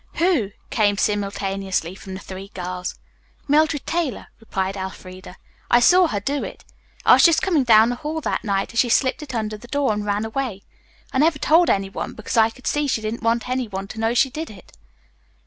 "Who?" came simultaneously from the three girls. "Mildred Taylor," replied Elfreda. "I saw her do it. I was just coming down the hall that night as she slipped it under the door and ran away. I never told any one, because I could see she didn't want any one to know she did it."